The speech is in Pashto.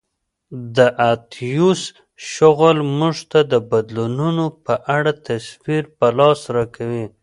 د اتیوس شغل موږ ته د بدلونونو په اړه تصویر په لاس راکوي